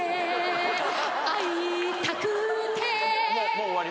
もう終わり。